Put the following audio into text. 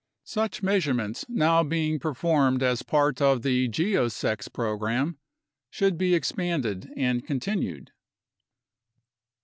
Such measurements now being performed as part of the geosecs program should be expanded and continued.